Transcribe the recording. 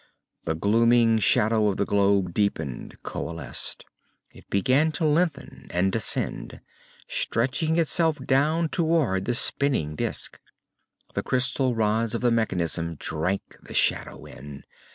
The glooming shadow of the globe deepened, coalesced. It began to lengthen and descend, stretching itself down toward the spinning disc. The crystal rods of the mechanism drank the shadow in.